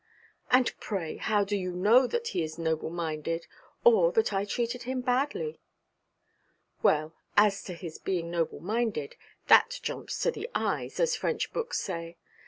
'And pray, how do you know that he is noble minded, or that I treated him badly?' 'Well, as to his being noble minded, that jumps to the eyes, as French books say.